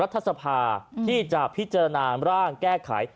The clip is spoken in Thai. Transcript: รัฐสภาที่จะพิจารณาร่างแก้ไข